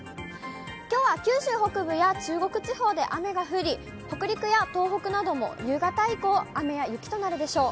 きょうは九州北部や中国地方で雨が降り、北陸や東北なども夕方以降、雨や雪となるでしょう。